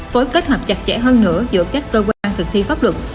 phối kết hợp chặt chẽ hơn nữa giữa các cơ quan thực thi pháp luật